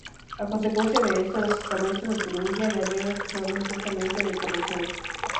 A consecuencia de esto, los estamentos de Turingia le habían acusado injustamente de corrupción.